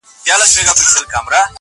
دغه تیارې غواړي د سپینو څراغونو کیسې،